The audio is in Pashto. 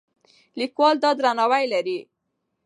لیکوال دا درناوی لري.